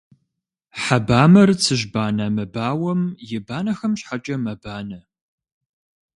Хьэ бамэр цыжьбанэ мыбауэм и банэхэм щхьэкӏэ мэбанэ.